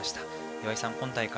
岩井さん、今大会